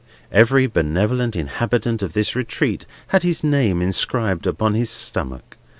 Every benevolent inhabitant of this retreat had his name inscribed upon his stomach.